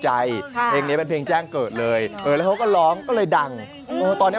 เพลงนี้เป็นเพลงแจ้งเกิดเลยเออแล้วเขาก็ร้องก็เลยดังเออตอนเนี้ย